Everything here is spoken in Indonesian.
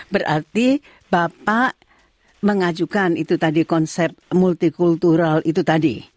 berarti bapak mengajukan itu tadi konsep multikultural itu tadi